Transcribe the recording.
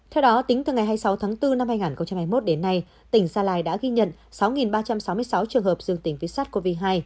theo đó tính từ ngày hai mươi sáu tháng bốn năm hai nghìn hai mươi một đến nay tỉnh gia lai đã ghi nhận sáu ba trăm sáu mươi sáu trường hợp dương tính với sars cov hai